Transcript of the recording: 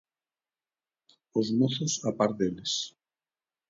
Os mozos a par deles.